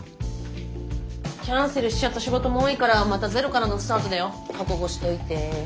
キャンセルしちゃった仕事も多いからまたゼロからのスタートだよ覚悟しといて。